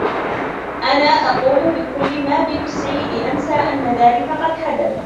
أنا أقوم بكل ما بوسعي لأنسى أنّ ذلك قد حدث.